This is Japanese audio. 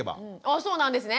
あそうなんですね。